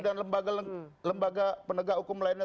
dan lembaga lembaga penegak hukum lainnya